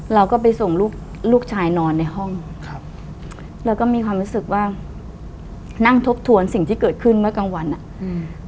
เราก็ไปส่งลูกลูกชายนอนในห้องครับแล้วก็มีความรู้สึกว่านั่งทบทวนสิ่งที่เกิดขึ้นเมื่อกลางวันอ่ะอืม